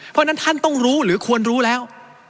เพราะฉะนั้นท่านต้องรู้หรือควรรู้แล้ว